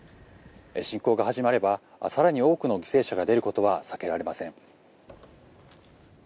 侵攻が始まれば更に多くの犠牲者が出ることは避けられません。